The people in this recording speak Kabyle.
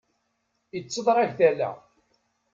Itteḍṛag tala.